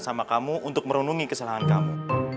sama kamu untuk merunungi kesalahan kamu